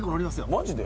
マジで？